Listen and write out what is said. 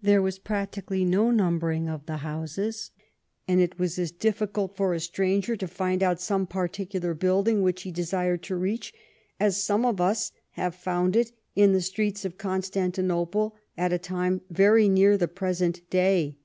There was practically no numbering of the houses, and it was as difficult for a stranger to find out some particular building which he desired to reach as some of us have found it in the streets of Constantinople at a time very near the present day.